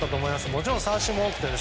もちろん三振も多くて。